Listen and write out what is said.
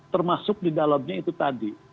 termasuk di dalamnya itu tadi